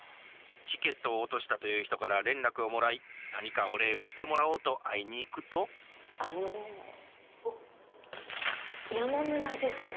チケットを落としたという人から連絡をもらい何かお礼をしてもらおうと会いに行くとあの山村です。